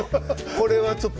これはちょっと。